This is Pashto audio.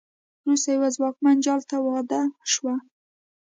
وروسته یوه ځواکمن جال ته واده شوه.